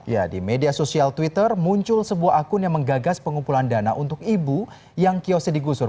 ya di media sosial twitter muncul sebuah akun yang menggagas pengumpulan dana untuk ibu yang kiosnya digusur